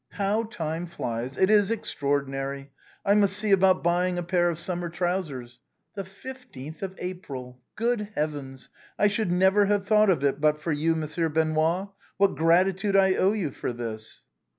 How time flies, it is extraordinary, I must see about buying a pair of summer trousers. The 15th of April. Good heavens ! I should never have thought of it but for you. Monsieur Benoît. What gratitude I owe you for this